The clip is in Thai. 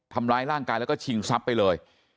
ทำร้ายร่างกายแล้วก็ชิงทรัพย์ไปเลย